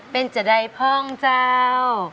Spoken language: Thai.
เป็นจะได้พ่องเจ้า